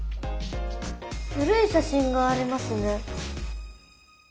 古い写真がありますね。